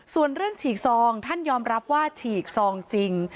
ส่วนเรื่องฉีกซองท่านยอมรับว่าฉีกซองจริง